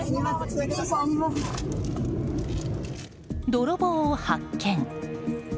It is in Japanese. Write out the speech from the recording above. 泥棒を発見！